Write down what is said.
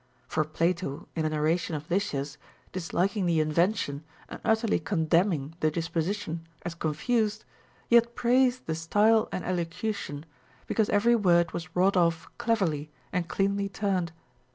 For Plato in an ora tion of Lysias, disliking the invention and utterly condemn ing the disposition as confused, yet praised the style and elocution, because every word was Λvrought off cleverly and cleanly turned.